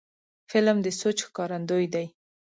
فلم د سوچ ښکارندوی دی